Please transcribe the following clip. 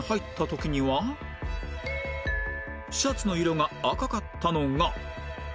シャツの色が赤かったのが